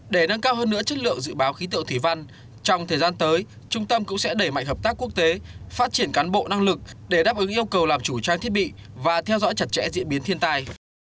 để nâng cao hơn nữa chất lượng dự báo khí tượng thủy văn trong thời gian tới trung tâm cũng sẽ đẩy mạnh hợp tác quốc tế phát triển cán bộ năng lực để đáp ứng yêu cầu làm chủ trang thiết bị và theo dõi chặt chẽ diễn biến thiên tai